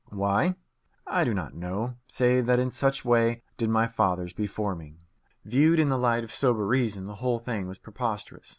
Why? I do not know, save that in such way did my fathers before me. Viewed in the light of sober reason, the whole thing was preposterous.